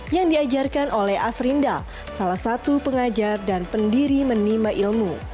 yang diajarkan oleh asrinda salah satu pengajar dan pendiri menima ilmu